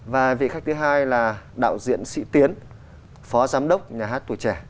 và vị khách thứ hai là đạo diễn sĩ tiến phó giám đốc nhà hát tuổi trẻ